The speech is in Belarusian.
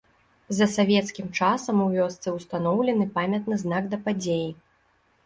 За савецкім часам у вёсцы ўстаноўлены памятны знак да падзеі.